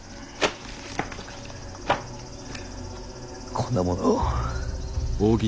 こんなものを。